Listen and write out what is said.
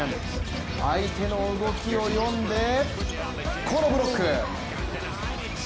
相手の動きを読んでこのブロック！